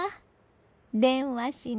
電話しに。